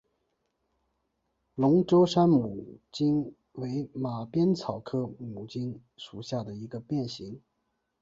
龙州山牡荆为马鞭草科牡荆属下的一个变型。